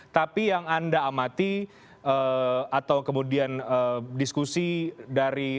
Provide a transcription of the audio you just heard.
tapi yang anda amati atau kemudian diskusi dari